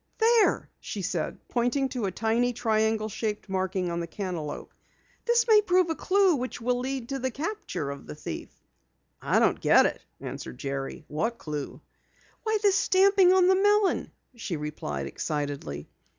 "There!" she said, pointing to a tiny triangle shaped marking on the cantaloupe. "This may prove a clue which will lead to the capture of the thief!" "I don't get it," answered Jerry. "What clue?" "Why, this stamping on the melon!" she replied excitedly.